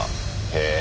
へえ。